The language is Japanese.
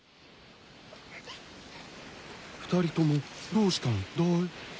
２人ともどうしたんだい？